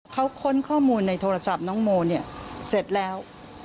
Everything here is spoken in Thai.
เขาค้นข้อมูลในโทรศัพท์น้องโมเนี่ยเสร็จแล้ว